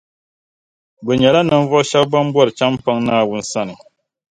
bɛ nyɛla ninvuɣu shɛba ban bɔri chεmpaŋ Naawuni sani